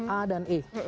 a dan e